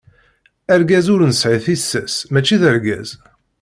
Argaz ur nesɛi tissas, mačči d argaz.